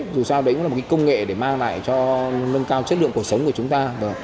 dù sao đấy cũng là một công nghệ để mang lại cho nâng cao chất lượng cuộc sống của chúng ta